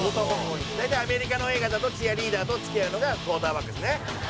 「大体アメリカの映画だとチアリーダーと付き合うのがクォーターバックですね」